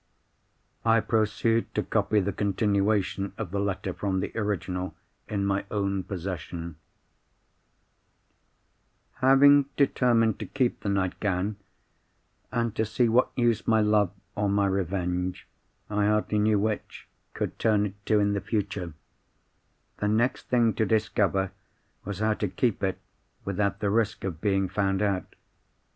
I proceed to copy the continuation of the letter from the original, in my own possession:— "Having determined to keep the nightgown, and to see what use my love, or my revenge (I hardly know which) could turn it to in the future, the next thing to discover was how to keep it without the risk of being found out.